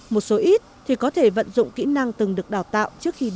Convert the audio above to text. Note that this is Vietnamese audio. một số ít thì có thể vận dụng kỹ năng từng được đào tạo trước khi về nước